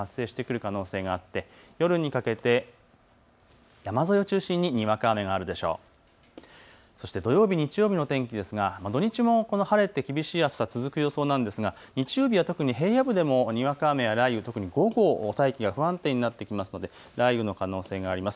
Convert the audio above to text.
そして土曜日、日曜日の天気ですが土日も晴れて厳しい暑さ続く予想なんですが日曜日は特に平野部でもにわか雨や雷雨、特に午後、大気が不安定になってきますので雷雨の可能性があります。